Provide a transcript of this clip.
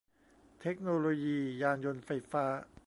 เทคโนโลยียานยนต์ไฟฟ้า